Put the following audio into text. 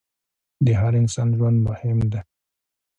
د هر انسان ژوند مهم دی.